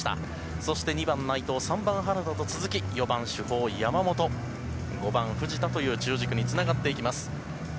そして、２番内藤、３番原田と続き、４番主砲、山本、５番藤田という中軸につながっていきます。